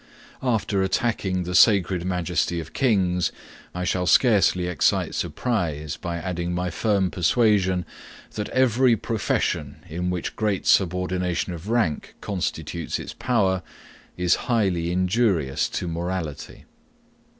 After attacking the sacred majesty of kings, I shall scarcely excite surprise, by adding my firm persuasion, that every profession, in which great subordination of rank constitutes its power, is highly injurious to morality.